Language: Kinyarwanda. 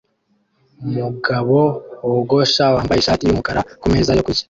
Umugabo wogosha wambaye ishati yumukara kumeza yo kurya